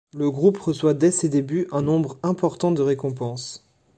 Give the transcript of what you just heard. Le groupe reçoit dès ses débuts un nombre important de récompenses.